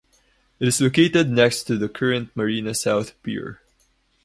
It is located next to the current Marina South Pier.